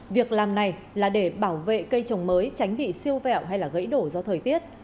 việc làm này là để bảo vệ cây trồng mới tránh bị siêu vẹo hay gãy đổ do thời tiết